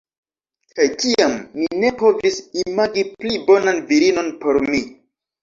Kaj tiam, mi ne povis imagi pli bonan virinon por mi.